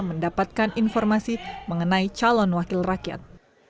mendapatkan informasi mengenai calon wakil rakyat